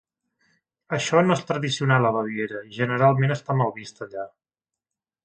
Això no és tradicional a Baviera i generalment està mal vist allà.